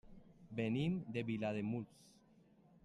Venim de Vilademuls.